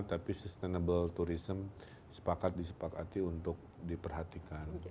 tapi sustainable tourism sepakat disepakati untuk diperhatikan